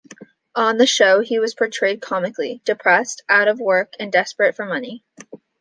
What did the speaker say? On the show he was portrayed comically; depressed, out-of-work, and desperate for money.